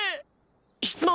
質問！